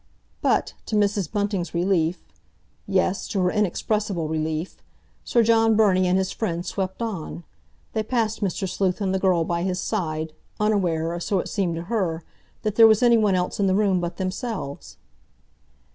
But, to Mrs. Bunting's relief—yes, to her inexpressible relief—Sir John Burney and his friends swept on. They passed Mr. Sleuth and the girl by his side, unaware, or so it seemed to her, that there was anyone else in the room but themselves.